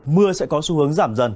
mưa sẽ có xu hướng giảm dần